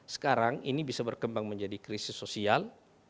sekarang ini bisa berkembang menjadi krisis sosial